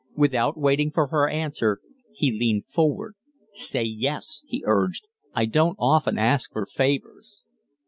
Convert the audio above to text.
Without waiting for her answer, he leaned forward. "Say yes!" he urged. "I don't often ask for favors."